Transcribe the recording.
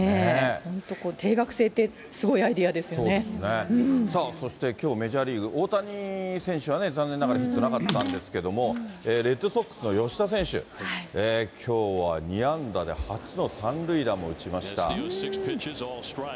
本当、定額制って、そしてきょう、メジャーリーグ、大谷選手は残念ながらヒットなかったんですけども、レッドソックスの吉田選手、きょうは２安打で初の３塁打も打ちました。